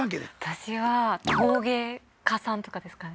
私は陶芸家さんとかですかね